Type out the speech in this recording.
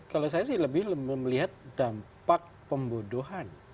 kalau saya sih lebih melihat dampak pembodohan